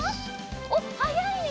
おっはやいね！